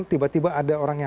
tiba tiba ada orang yang